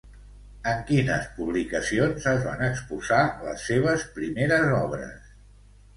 En quines publicacions es van exposar les seves primeres obres?